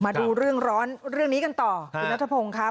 มาดูเรื่องร้อนเรื่องนี้กันต่อคุณนัทพงศ์ครับ